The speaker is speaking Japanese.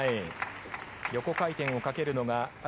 横回転をかけるのが。